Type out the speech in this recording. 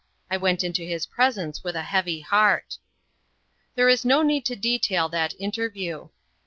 I went into his presence with a heavy heart. There is no need to detail that interview.